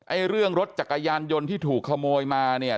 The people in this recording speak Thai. เรื่องรถจักรยานยนต์ที่ถูกขโมยมาเนี่ย